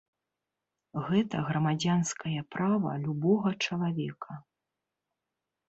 Гэта грамадзянскае права любога чалавека.